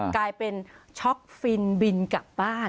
กลายเป็นช็อกฟินบินกลับบ้าน